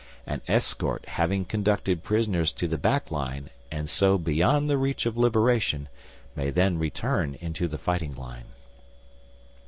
An escort having conducted prisoners to the back line, and so beyond the reach of liberation, may then return into the fighting line.